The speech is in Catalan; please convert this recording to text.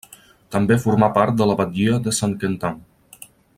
També formà part de la batllia de Saint-Quentin.